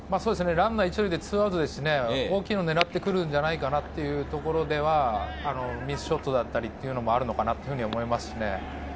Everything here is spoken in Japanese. ランナー１塁で２アウトなので、大きいのを狙ってくるんじゃないかなというところではミスショットもあるのかなと思いますね。